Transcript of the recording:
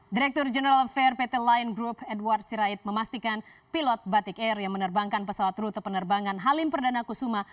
direktur general fair pt lion group edward sirait memastikan pilot batik air yang menerbangkan pesawat rute penerbangan halim perdana kusuma